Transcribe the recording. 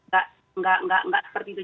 gak seperti itu